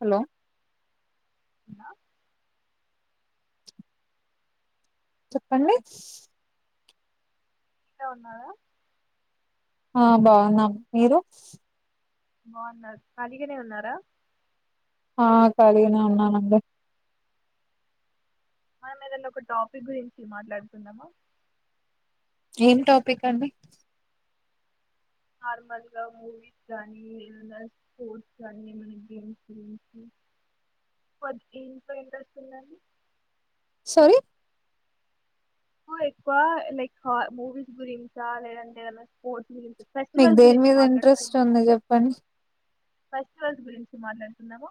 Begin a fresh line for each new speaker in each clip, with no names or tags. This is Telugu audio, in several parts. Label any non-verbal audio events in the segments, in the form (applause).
హలో
న
చెప్పండి
ఇక్కడే ఉన్నారా
ఆ బాగున్నాం మీరు
బాగున్నాన్ ఖాళీగానే ఉన్నారా
ఆ ఖాళీగానే ఉన్నాం అందరం
మనం ఏదైనా ఒక టాపిక్ గురించి మాట్లాడుకుందామా
ఏం టాపిక్ అండి
నార్మల్గా మూవీస్ గానీ ఏదైనా స్పోర్ట్స్ గానీ ఏమన్న గేమ్స్ గురించి (unintelligible) దేంట్లో ఇంట్రెస్ట్ ఉందండి
సారీ
ఎక్కువ లైక్ మూవీస్ గురించా లేదంట ఏదన్న స్పోర్ట్స్ గురించా
మీకు దేని మీద ఇంట్రెస్ట్ ఉంది చెప్పండి
ఫెస్టివల్స్ గురించి మాట్లాడుకుందామా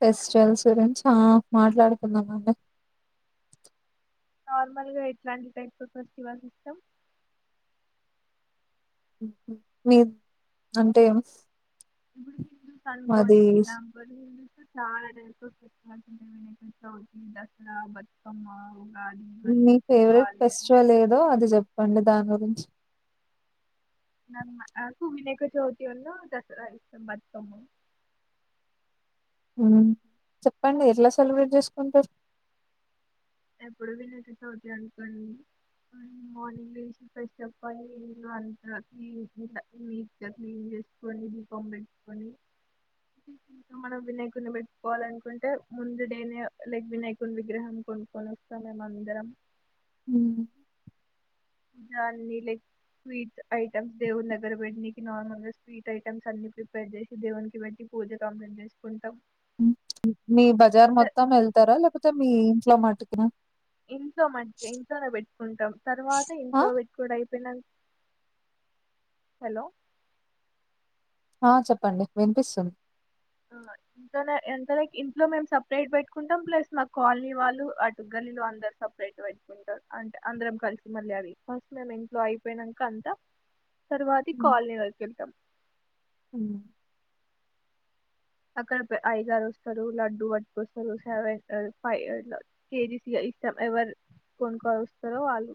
ఫెస్టివల్స్ గురించి ఆ మాట్లాడుకుందాం అండి
నార్మల్గా ఎట్లాంటి టైప్స్ ఫెస్టివల్స్ ఇష్టం
ఊ మీ అంటే
బుడు గుడు
మాది
అనుకోండి (unintelligible) చాలా ఫెస్టివల్స్ ఉన్నాయి దసరా బతుకమ్మ ఉగాది ఇవన్నీ
మీ ఫేవరెట్
దివాళి అని
ఫెస్టివల్ ఏదో అది చెప్పండి దాని చి
నాకు వినాయక చవితి అన్న దసరా బతుకమ్మ ఇష్టం
ఉ చెప్పండి ఎట్లా సెలబ్రేట్ చేసుకుంటరు
ఎప్పుడు వినాయకాచవితి అనుకోండి మార్నింగ్ లేసి ఫ్రెష్ అప్పి అయ్యి ఇల్లు అంతా క్లీన్ గా నీట్ గా క్లీన్ చేసుకోని దీపం పెట్టుకోని మనం వినాయకుడిని పెట్టుకోవాలి అనుకుంటే ముందు డే నే లైక్ వినాయకుడిని విగ్రహం కొను కొనిస్తే మేమందరం
ఉ
దాన్ని లైక్ స్వీట్ ఐటమ్స్ దేవుని దగ్గర పెట్నీకి నార్మల్గా స్వీట్ ఐటమ్స్ అన్ని ప్రిపేర్ చేసి దేవునికి పెట్టి పూజ కంప్లైంట్ చేసుకుంటాం
మీ బజార్
త-
మొత్తం వెళ్తారా లేపోతే మీ ఇంట్లో మటుకేనా
ఇంట్లో మటుకే ఇంట్లోనే పెట్టుకుంటాం తర్వాత
ఆ
ఇంట్లో పెట్టుకోడు అయి పోయినంక్ హలో
ఆ చెప్పండి వినిపిస్తుంది
ఆ ఇంట్లోనే అంటే లైక్ ఇంట్లో మేము సపరేట్ పెట్టుకుంటాం ప్లస్ మా కాలనీ వాళ్ళు అటు గల్లిలో అందరు సపరేట్ పెట్టుకుంటాం అంటే అందరం కలిసి మళ్ళీ అవి ఫస్ట్ మేము ఇంట్లో అయిపోయినంక అంత తర్వాతి కాలనీ వరకి వెళ్తాం
హ్
అక్కడ ఐగారు వస్తారు లడ్డు పట్టుకొస్తారు సెవెన్ ఫైవ్ కేజీస్గా ఇగ ఇష్టం ఎవరు కొనుక్కోని వస్తారో వాళ్ళు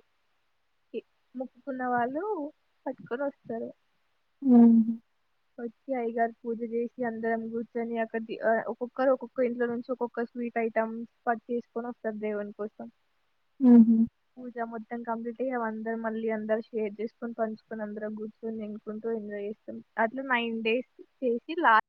మోక్కుకున్న వాళ్ళు పట్టుకొని వస్తారు
ఉ
వచ్చి అయగారు పూజ చేసి అందరం గుర్ ర్చొని అక్కడ ఒక్కొక్కరు ఒక్కొక్క ఇంట్లో నుంచి ఒక్కొక్క స్వీట్ ఐటెమ్ పట్ చేసుకొని వస్తారు దేవుని కోసం
ఉహు
పూజ మొత్తం కంప్లీట్ అ అ అందరు మళ్ళీ అందరు షేర్ చేసుకొని పంచుకొని అందరు కూర్చొని ఎగురుకుంటూ ఎంజాయ్ చేస్తాం. అట్లా నైన్ డేస్ చేసి లాస్ట్